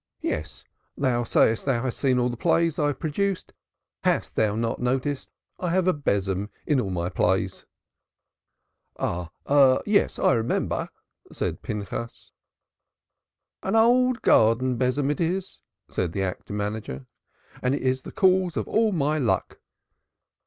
"Yes, thou sayest thou hast seen all the plays I have produced. Hast thou not noticed that I have a besom in all my plays?" "Aha! Yes, I remember," said Pinchas. "An old garden besom it is," said the actor manager. "And it is the cause of all my luck."